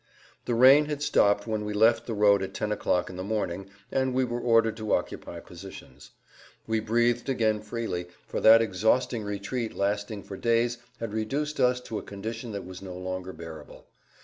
The rain had stopped when we left the road at ten o'clock in the morning and we were ordered to occupy positions. We breathed again freely, for that exhausting retreat lasting for days had reduced us to a condition that was no longer bearable.